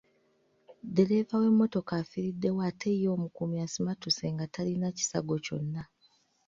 Ddereeva w’emmotoka afiiriddewo ate ye omukuumi asimattuse nga talina kisago kyonna.